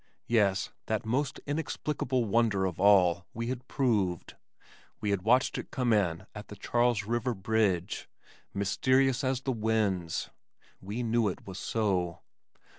Yes, that most inexplicable wonder of all we had proved. We had watched it come in at the Charles River Bridge, mysterious as the winds. We knew it was so.